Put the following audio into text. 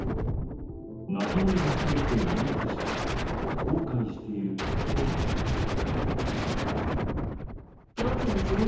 泣き声がストレスで殴ってしまった後悔していると話しました。